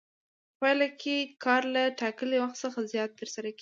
په پایله کې کار له ټاکلي وخت څخه زیات ترسره کېږي